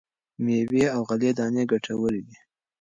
مېوې او غلې دانې ګټورې دي.